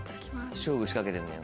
勝負仕掛けてんのよ